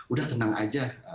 udah tenang saja